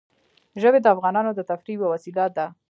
ژبې د افغانانو د تفریح یوه وسیله ده.